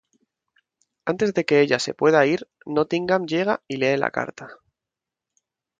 Antes de que ella se pueda ir, Nottingham llega y lee la carta.